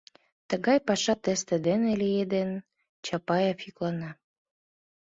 — Тыгай паша тесте дене лиеден, — Чапаев йӱклана.